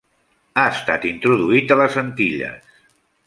Ha estat introduït en les Antilles.